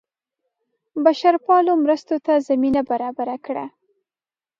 بشرپالو مرستو ته زمینه برابره کړه.